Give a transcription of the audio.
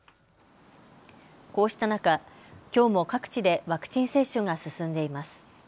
こうした中、きょうも各地でワクチン接種が進んでいます。